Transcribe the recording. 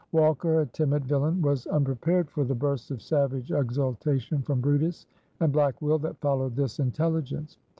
Walker, a timid villain, was unprepared for the burst of savage exultation from brutus and Black Will that followed this intelligence.